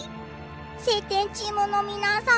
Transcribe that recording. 「青天」チームの皆さん